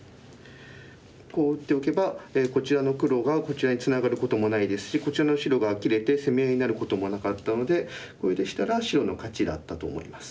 こう打っておけばこちらの黒がこちらにツナがることもないですしこちらの白が切れて攻め合いになることもなかったのでこれでしたら白の勝ちだったと思います。